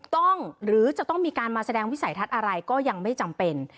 หรือจะต้องมีการมาแสดงวิสัยทัศน์อะไรก็ยังไม่จำเป็น